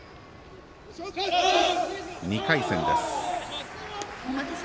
２回戦です。